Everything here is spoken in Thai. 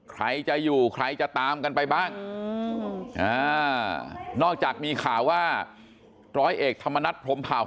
ใครจะอยู่ใครจะตามกันไปบ้างนอกจากมีข่าวว่าร้อยเอกธรรมนัฐพรมเผา